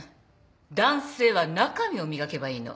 男性は中身を磨けばいいの。